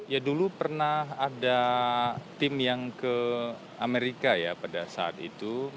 ya dulu pernah ada tim yang ke amerika ya pada saat itu